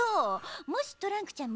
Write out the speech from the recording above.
もしトランクちゃん